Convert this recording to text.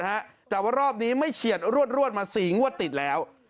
แต่ว่ารอบนี้ไม่เฉียดรวดมาสี่งวดติดแล้ว